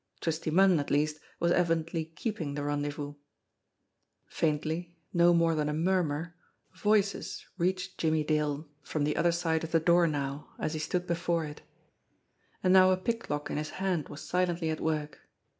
Twisty Munn, at least, was evi dently keeping the rendezvous ! Faintly, no more than a murmur, voices reached Jimmie Dale from the other side of the door now as he stood before it. And now a pick lock in his hand was silently at work.